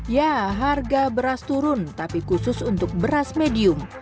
ya harga beras turun tapi khusus untuk beras medium